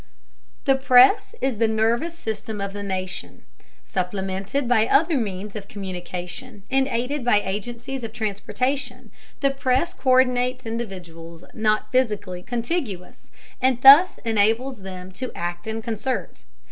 The press is the nervous system of the nation. Supplemented by other means of communication, and aided by agencies of transportation, the press co÷rdinates individuals not physically contiguous, and thus enables them to act in concert.